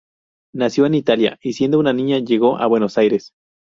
Nació en Italia y siendo una niña llegó a Buenos Aires.